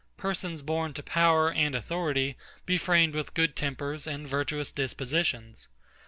Persons born to power and authority, be framed with good tempers and virtuous dispositions.